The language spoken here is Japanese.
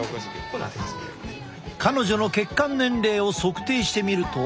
彼女の血管年齢を測定してみると。